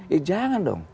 ya jangan dong